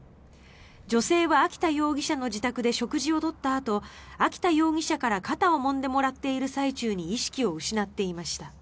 女性は秋田容疑者の自宅で食事を取ったあと秋田容疑者から肩をもんでもらっている最中に意識を失っていました。